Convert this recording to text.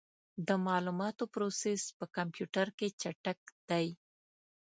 د معلوماتو پروسس په کمپیوټر کې چټک دی.